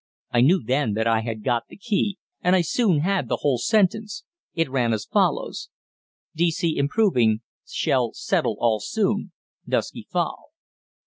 I knew then that I had got the key, and I soon had the whole sentence. It ran as follows: "_D.C. improving shall settle all soon. Dusky Fowl.